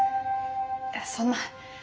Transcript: そんな。